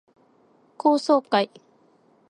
高層階